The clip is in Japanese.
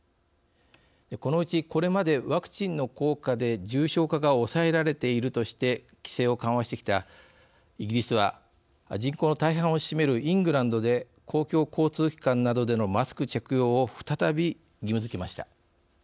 このうちこれまでワクチンの効果で重症化が抑えられているとして規制を緩和してきたイギリスは人口の大半を占めるイングランドで公共交通機関などでのマスク着用を再び義務づけました。